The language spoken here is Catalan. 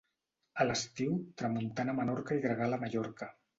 A l'estiu, tramuntana a Menorca i gregal a Mallorca.